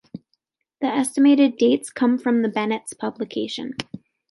The estimated dates come from Bennett's publication.